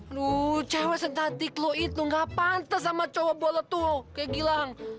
aduh cewek sentatik lo itu gak pantas sama cowok bola tuh kayak gilang